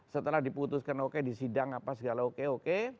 setelah diputuskan oke disidang apa segala oke oke